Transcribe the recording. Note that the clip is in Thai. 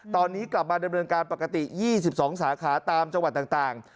ตอนนี้กลับมาดำเนินการปกติ๒๒สาขาตามจังหวัดต่าง